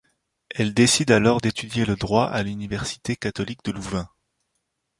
Elle décide alors d'étudier le droit à l'université catholique de Louvain.